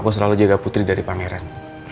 aku selalu jaga putri dari pangeran